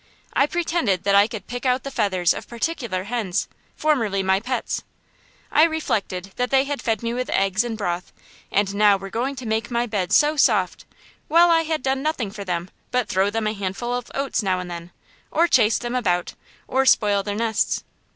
I pretended that I could pick out the feathers of particular hens, formerly my pets. I reflected that they had fed me with eggs and broth, and now were going to make my bed so soft; while I had done nothing for them but throw them a handful of oats now and then, or chase them about, or spoil their nests.